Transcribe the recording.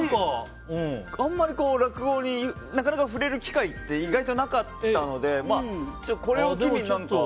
あんまり落語になかなか触れる機会って意外となかったのでこれを機に。